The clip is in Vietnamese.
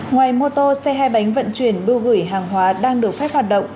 ngoài mô tô xe hai bánh vận chuyển bưu gửi hàng hóa đang được phép hoạt động